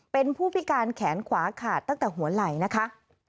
เป็นผู้พิการแขนขวาขาดตั้งแต่หัวไหล่นะคะ